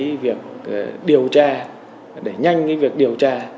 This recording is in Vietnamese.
để mạnh việc điều tra để nhanh việc điều tra